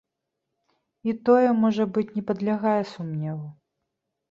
І тое, можа быць, не падлягае сумневу.